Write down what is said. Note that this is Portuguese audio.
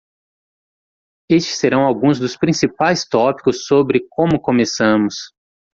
Estes serão alguns dos principais tópicos sobre como começamos.